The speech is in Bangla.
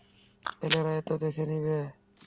ছেলেরা এটা দেখে নিবে।